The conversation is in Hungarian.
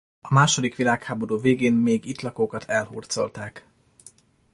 A második világháború végén még itt lakókat elhurcolták.